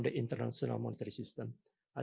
kesan tentang sistem moneter internasional